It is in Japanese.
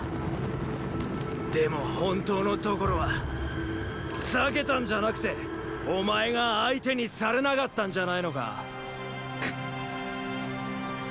でも本当のところは避けたんじゃなくてお前が相手にされなかったんじゃないのか？！